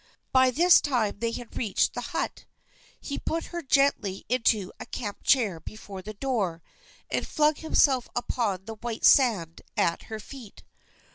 By this time they had reached the hut. He put her gently into a camp chair before the door, and flung himself upon the white sand at her feet.